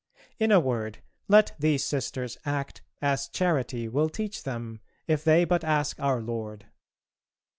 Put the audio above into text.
In a word, let these sisters act as charity will teach them, if they but ask Our Lord.